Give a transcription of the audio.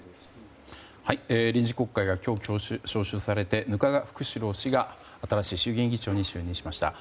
臨時国会が今日、召集されて額賀福志郎氏が新しい衆院議長に就任しました。